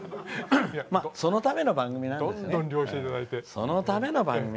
そのための番組なんですね。